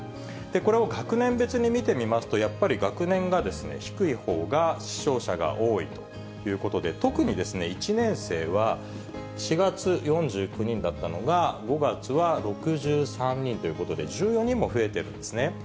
これを学年別に見てみますと、やっぱり学年が低いほうが死傷者が多いということで、特に１年生は、４月４９人だったのが、５月は６３人ということで、１４人も増えてるんですね。